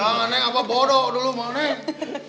jangan neng apa bodoh dulu mau neng